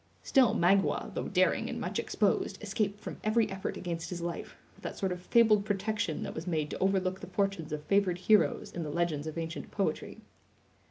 Still Magua, though daring and much exposed, escaped from every effort against his life, with that sort of fabled protection that was made to overlook the fortunes of favored heroes in the legends of ancient poetry.